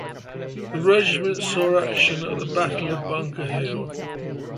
The regiment saw action at the Battle of Bunker Hill.